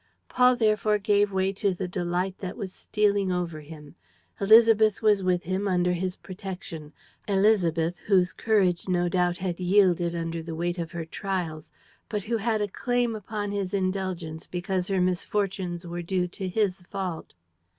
Paul therefore gave way to the delight that was stealing over him. Élisabeth was with him, under his protection: Élisabeth, whose courage, no doubt, had yielded under the weight of her trials, but who had a claim upon his indulgence because her misfortunes were due to his fault.